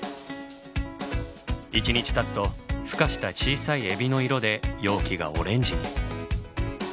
１日たつとふ化した小さいエビの色で容器がオレンジに。